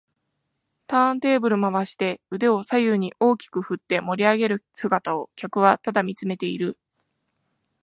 ターンテーブル回して腕を左右に大きく振って盛りあげる姿を客はただ見つめている